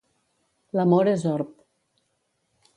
L'amor és orb.